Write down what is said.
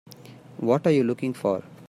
What are you looking for?